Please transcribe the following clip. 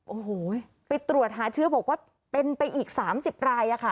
โอ้โหไปตรวจหาเชื้อบอกว่าเป็นไปอีก๓๐รายอะค่ะ